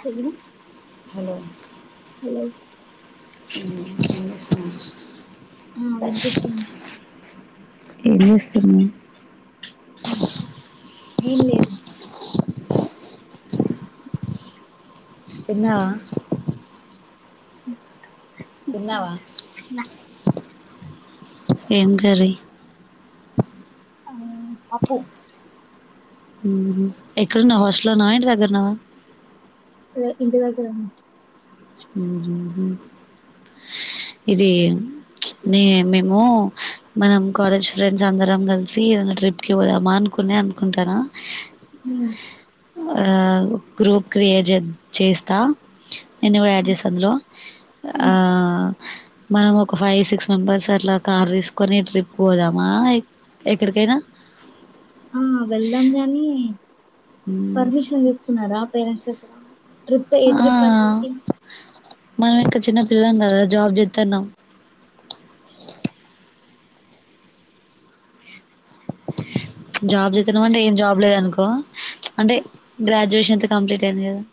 Hello hello hello [unintelligible] ఆ ఆ వినిపిస్తుంది. ఏం చేస్తున్నావ్? ఏం చేస్తున్నావు ఏం లేదు. తిన్నావా అ తిన్నావా. ఏం కర్రీ. అ పప్పూ. ఊహు ఎక్కడున్నావ్ హాస్టల్లో ఉన్నావా, ఇంటి దగ్గర ఉన్నావా. లేద్ ఇంటి దగ్గరే ఉన్నా. ఊహు హు ఇదీ ప్చ్ నే మేమూ. మనం కాలేజ్ ఫ్రెండ్స్ అందరం కల్సీ ఏదన్న ట్రిప్ కి పోదామా అనుకునే అనుకుంటానం. ఉమ్ ఆ గ్రూప్ క్రియేట్ చేద్ చేస్తా. నిన్ను గూడా యాడ్ చేస్తా అందులో. ఆ ఉమ్ మనం ఒక ఫైవ్ సిక్స్ మెంబర్స్ అట్లా కా ర్ తీసుకొని ట్రిప్ పోదామా ఎక్ ఎక్కడికైనా. ఆ వెళ్దాం గానీ, మ్మ్. పర్మిషన్ తీసుకున్నారా పేరెంట్స్. దగ్గర ట్రిప్ ఏ ట్రిప్ ఆ, అసల్కీ. మనం ఇంక చిన్న పిల్లలం గదా జాబ్ చెత్తాన్నం. జాబ్ చేత్తానమంటే ఏం జాబ్ లేద్ అనుకో. ప్చ్ అంటే గ్రాజ్యుయేషన్ అయితే కంప్లీట్ అయ్యింది గదా.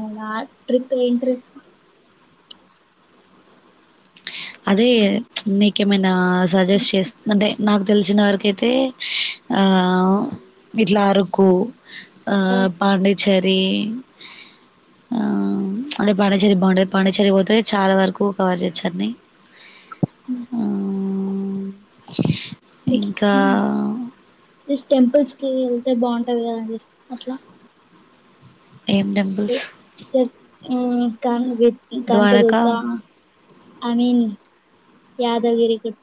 [unintelligible] ట్రిప్ ఏం ట్రిప్ అదే ప్చ్ నీకేమైనా సజెస్ట్ చేస్త్, అంటే నాకు తెలిశిన వరకైతే. ఆ ఇట్లా అరకూ, ఆ పాండిచ్చేరీ. ఆ ఆడి పాండిచేరి బాగుంటంది పాండిచ్చేరి పోతే చాలా వరకు కవర్ చేస్తంది చెన్నై అఆ స్ టెంపుల్స్ కి వెళ్తే బాగుంటా అదెక దండిఅట్లా ఏం టెంపుల్స్ క వి కనుక ద ద్వారకా వకా ఆఐ మీన్ యాదగిిరి క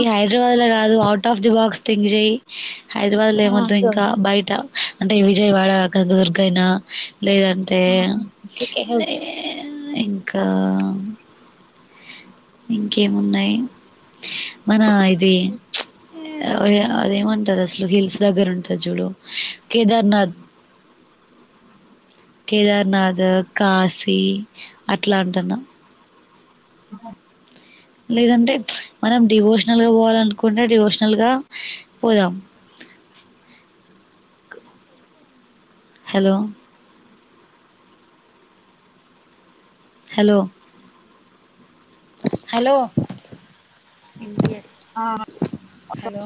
ఇ హైదరాబాద్ లో రాదు out of the box think చేయి హైదరాబాద్లో ఆ ఏమద్ం ఓకే ఇంకా బయట అంటే విజయవాడ కదుర్గయినా లేదంటే ఓకే ఇంకా యేం ఓకే లేదు ఇంకా ఇంకేమున్నాయి మన ఇది అదేమంటారు అసలు హిల్స్ దగ్గర ఉంటది చూడు కేదార్నాథ్ కేదార్నాథ్ కాశీ అట్లా అంటున్నా లేదంటే మనం డివోషనల్గా పోవాలనుకుంటే డివోషనల్గా పోదాం హలో హలో హలో ఆ హలో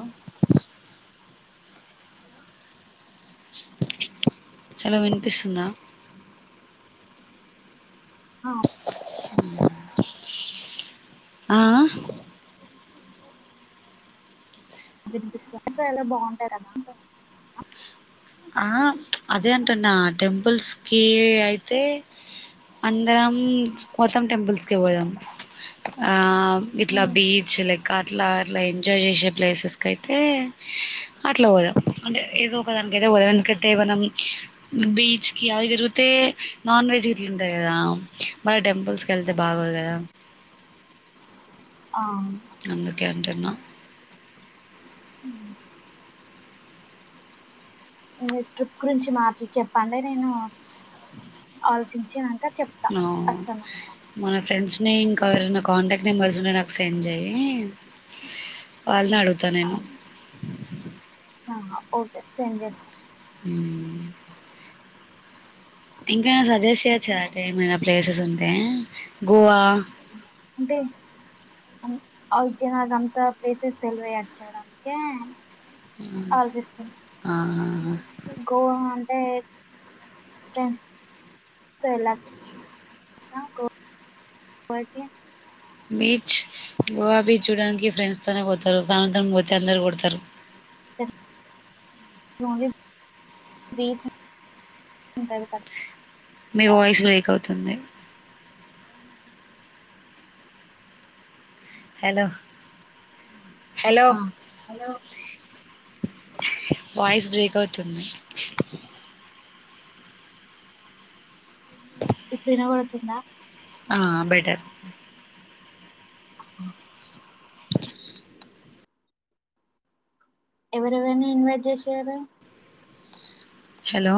హలో వినిపిస్తుందా ఆ ఆ వినిపిస్త చాలా బాగుంటారు కదా ఆ అదే అంటన్న టెంపుల్స్ కి అయితే అందరం కోతమ్ టెంపుల్స్ క పోదాం ఆ ఇట్లా బీచ్ లైక్ అట్లా అట్లా ఎంజాయ్ చేసే ప్లేసెస్ క అయితే అట్లా పోదాం అంటే ఉద ఎందుకంటే మనం బీచ్ కి అది తిరిగితే నాన్ వెజ్ గ ఇట్లుంటాయి కదా మరి టెంపుల్స్ క వెళ్తే బాగోదు కదా ఆ అందుకె అంటూన్నా అ మీ ట్రిప్ గురించి మాటలు చెప్పండి నేను ఆలోచించినక నమన ఫ్రెండ్స్ ని ఇంకావరైనా కాంటాక్ట్ నెంబర్ జున నాకు సెండ్ చెయి పల్నాడుగుతా నేను ఆ, ఓకే సెం చేస్త హమ్ ఇంకా యెద న సజెస్ట్ చేయొచ్చు కదా అతే ఏమైనా ప్లేసెస్ ఉంటే గోవా అంటే అవుకే నాకంత ప్లేసెస్ తెలివ యా చ్యువల్ అందుకే ఆలోచిస్తాను ఆహ గోవా అంటే ఫ్రెండ్స్. తొ వెల్లా వచినవా గొవాకి బీచ్ గోవా బీచ్ చూడడానికి ఫ్రెండ్స్ తొనే పోతారు దాని తం పోతే అందరు కొడతారు అహ బిచ్ మీ వాయిస్ బ్రేక్ అవుతుంది హేలో మ వాయిస్ బ్రేక్ అవుతుంది ఇప్పుడు ఇనపడుతుందా ఆ బెటర్ ఆ ఎవరెవరనా ఇన్వైట్ చేసారా హలో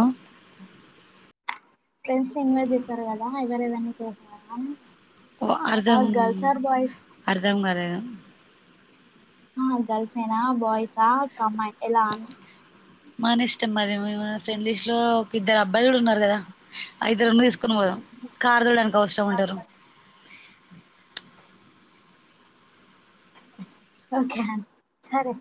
ఫ్రెండ్స్ ని ఇన్వైట్ చేశారు కదా ఎవరెవరిని చసారా అన్ని ఓ అర్ధం అర్ధం కాలేదు ఆ గర్ల్స్ ఏనా బా్సా కమ్మా ఎలా మాని ఇష్టం మరి ఫ్రెండ్ లిస్టులో లో ఒక ఇద్దరు అబ్బాయిలు కూడా ఉన్నారు కదా ఇద్దరుండి తీసు ని పోం కారు తూడడానికి అవసం ఉంటారు ఓకేనండి సరే